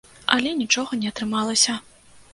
Але нічога не атрымалася.